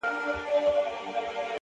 د کړکۍ پر شیشه لیک شوې کرښې ژر ورکېږي